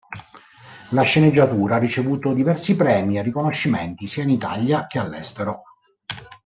La sceneggiatura ha ricevuto diversi premi e riconoscimenti sia in Italia che all'estero.